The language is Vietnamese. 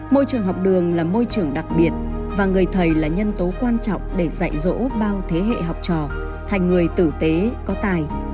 môi trường học đường là môi trường đặc biệt và người thầy là nhân tố quan trọng để dạy dỗ bao thế hệ học trò thành người tử tế có tài